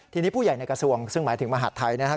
ทีนี้ผู้ใหญ่ในกระทรวงซึ่งหมายถึงมหาดไทยนะครับ